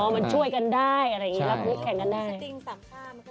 อ๋อมันช่วยกันได้แข่งกันได้